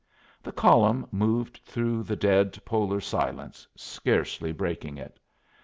The column moved through the dead polar silence, scarcely breaking it.